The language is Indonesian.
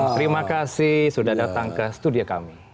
terima kasih sudah datang ke studio kami